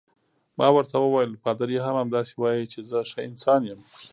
ما ورته وویل: پادري هم همداسې وایي چې زه ښه انسان یم.